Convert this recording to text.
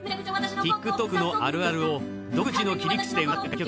ＴｉｋＴｏｋのあるあるを独自の切り口で歌った楽曲